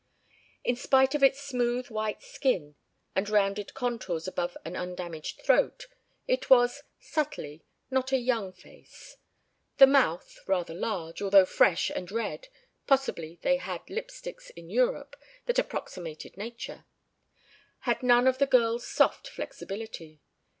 In spite of its smooth white skin and rounded contours above an undamaged throat, it was, subtly, not a young face. The mouth, rather large, although fresh and red (possibly they had lip sticks in Europe that approximated nature) had none of the girl's soft flexibility.